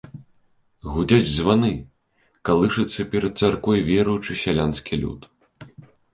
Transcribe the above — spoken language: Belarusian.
Гудзяць званы, калышацца перад царквой веруючы сялянскі люд.